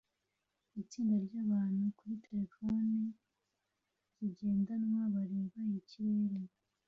Itsinda ryabantu kuri terefone zigendanwa bareba ikirere